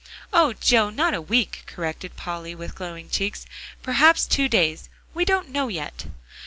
"Oh, Joe! not a week," corrected Polly with glowing cheeks, "perhaps two days; we don't know yet."